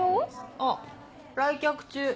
あっ来客中。